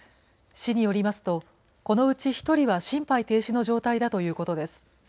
市によりますと、このうち１人は心肺停止の状態だということです。